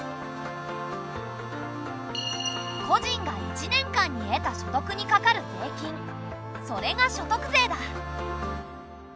個人が１年間に得た所得にかかる税金それが所得税だ。